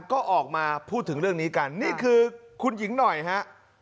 ก็ออกมาพูดถึงเรื่องนี้กันนี่คือคุณหญิงหน่อยฮะ